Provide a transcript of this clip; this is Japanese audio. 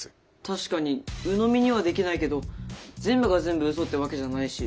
確かにうのみにはできないけど全部が全部うそってわけじゃないし。